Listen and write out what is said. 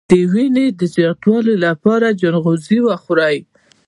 د وینې د زیاتوالي لپاره چغندر وخورئ